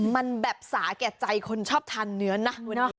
มันแบบสาแก่ใจคนชอบทานเนื้อนะ